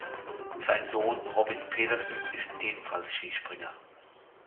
Sein Sohn Robin Pedersen ist ebenfalls Skispringer.